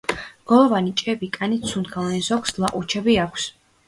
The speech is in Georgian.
რგოლოვანი ჭიები კანით სუნთქავენ, ზოგს ლაყუჩები აქვს.